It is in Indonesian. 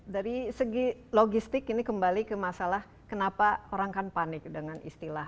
dari segi logistik ini kembali ke masalah kenapa orang kan panik dengan istilah